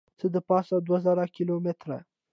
څه دپاسه دوه زره کیلو متره